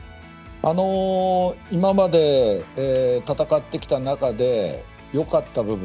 今まで戦ってきた中でよかった部分。